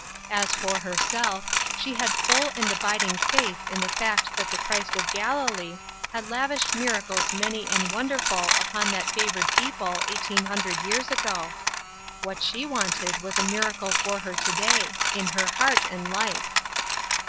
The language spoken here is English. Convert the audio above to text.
As for herself, she had full and abiding faith in the fact that the Christ of Galilee had lavished miracles many and wonderful upon that favored people eighteen hun dred years ago ; what she wanted was a miracle for her to day — in her heart and life.